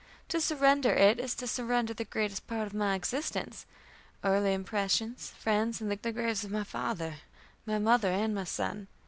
To surrender it is to surrender the greatest part of my existence early impressions, friends, and the graves of my father, my mother, and my son.